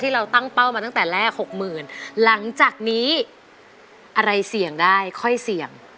เราตั้งเป้ามาตั้งแต่แรก๖๐๐๐หลังจากนี้อะไรเสี่ยงได้ค่อยเสี่ยง